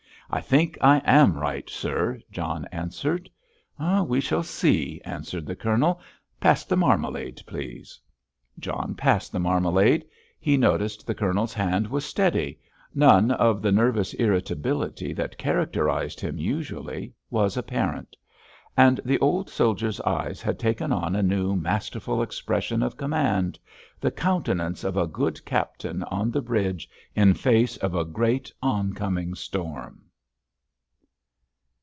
"I think I am right, sir," John answered. "We shall see," answered the Colonel. "Pass the marmalade, please." John passed the marmalade. He noticed the Colonel's hand was steady—none of the nervous irritability that characterised him usually was apparent—and the old soldier's eyes had taken on a new masterful expression of command—the countenance of a good captain on the bridge in face of a great oncoming storm.